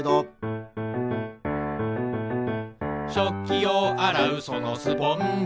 「しょっきをあらうそのスポンジ」